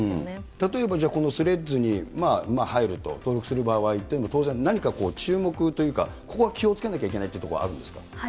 例えば、このスレッズに入ると、登録する場合というのは、当然、何か注目というか、ここは気をつけなきゃいけないというところはあるんですか。